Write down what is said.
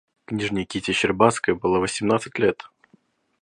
Княжне Кити Щербацкой было восьмнадцать лет.